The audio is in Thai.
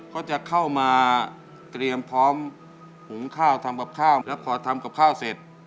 ก็จะเข้ามาเตรียมพร้อมหุงข้าวทำกับข้าวแล้วพอทำกับข้าวเสร็จ